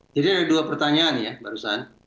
jadi ada dua pertanyaan ya barusan